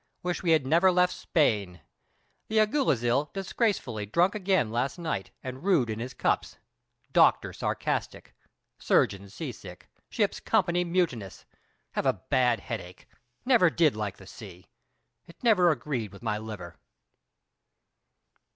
Wish we had never left Spain. The Alguazil disgracefully drunk again last night, and rude in his cups. Doctor sarcastic. Surgeon sea sick. Ship's company mutinous. Have a bad headache. Never did like the sea. It never agreed with my liver.